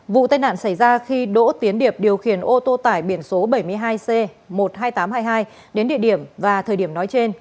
vụ tai nạn xảy ra khi đỗ tiến điệp điều khiển ô tô tải biển số bảy mươi hai c một mươi hai nghìn tám trăm hai mươi hai đến địa điểm và thời điểm nói trên